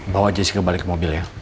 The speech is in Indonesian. bawa jessica balik ke mobil ya